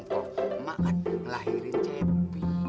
emak kan ngelahirin cepi